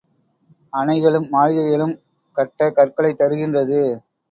அணைகளும் மாளிகைகளும் கட்ட கற்களைத் தருகின்றது.